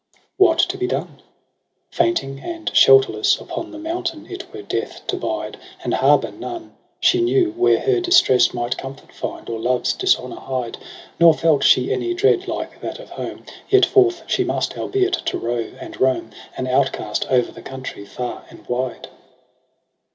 4 What to be done ? Fainting and shelterless Upon the mountain it were death to bide : And harbour knew she none, where her distress Might comfort find, or love's dishonour hide ; Nor felt she any dread like that of home : Yet forth she must, albeit to rove and roam An outcast o'er the country far and wide.